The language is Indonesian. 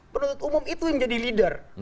perhut umum itu yang menjadi leader